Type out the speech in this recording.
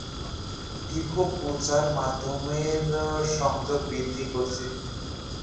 টিভো প্রচার মাধ্যমের সংযোগ বৃদ্ধি করছে।